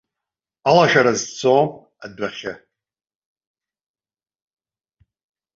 Алашара зцом адәахьы.